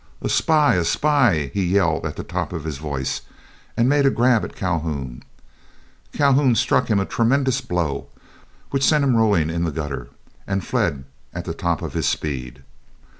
"A spy! A spy!" he yelled at the top of his voice, and made a grab at Calhoun. Calhoun struck him a tremendous blow which sent him rolling in the gutter, and fled at the top of his speed.